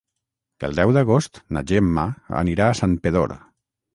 El deu d'agost na Gemma anirà a Santpedor.